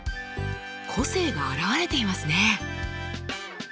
個性があらわれていますね。